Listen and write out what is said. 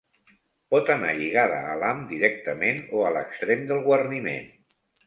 Pot anar lligada a l'ham directament o a l'extrem del guarniment.